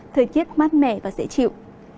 thời tiết mát mẻ và dễ chịu